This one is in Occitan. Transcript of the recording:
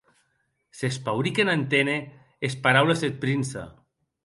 S’espauric en enténer es paraules deth prince.